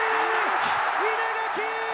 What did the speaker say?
稲垣。